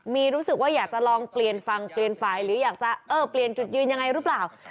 มีรู้สึกว่าอยากจะลองเปลี่ยนฟังเปลี่ยนฝ่ายหรืออยากจะเออเปลี่ยนจุดยืนยังไงหรือเปล่า